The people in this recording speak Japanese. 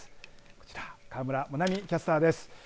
こちら川村もなみキャスターです。